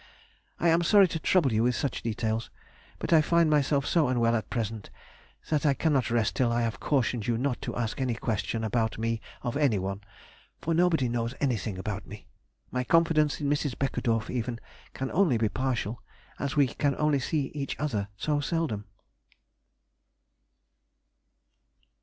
I am sorry to trouble you with such details, but I find myself so unwell at present that I cannot rest till I have cautioned you not to ask any question about me of any one, for nobody knows anything about me—my confidence in Mrs. Beckedorff, even, can only be partial, as we can only see each other so seldom.